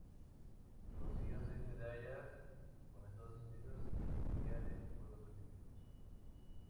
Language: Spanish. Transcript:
Consiguió seis medallas con Estados Unidos en mundiales y Juegos Olímpicos.